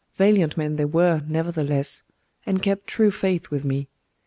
Valiant men they were, nevertheless, and kept true faith with me.